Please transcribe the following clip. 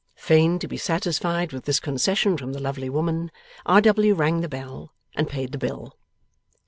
Fain to be satisfied with this concession from the lovely woman, R. W. rang the bell, and paid the bill.